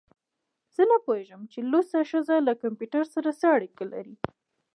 زه نه پوهیږم چې لوڅه ښځه له کمپیوټر سره څه اړیکه لري